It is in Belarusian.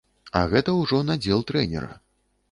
А гэта ўжо надзел трэнера.